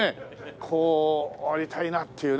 こうありたいなっていうね。